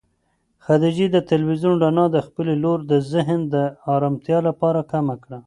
خدیجې د تلویزون رڼا د خپلې لور د ذهن د ارامتیا لپاره کمه کړه.